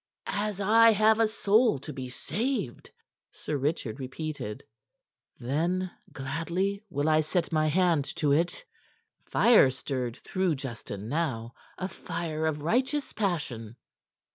"As I have a soul to be saved," Sir Richard repeated. "Then gladly will I set my hand to it." Fire stirred through Justin now, a fire of righteous passion.